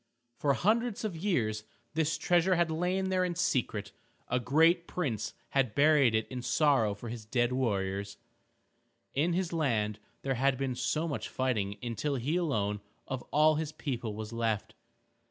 For hundreds of years this treasure had lain there in secret. A great prince had buried it in sorrow for his dead warriors. In his land there had been much fighting until he alone of all his people was left.